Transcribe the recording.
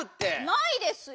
ないですよ！